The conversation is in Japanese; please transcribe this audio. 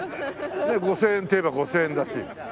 ５０００円って言えば５０００円だし。